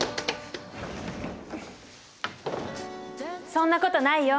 そんなことないよ。